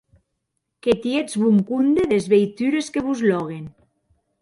Que tietz bon compde des veitures que vos lòguen!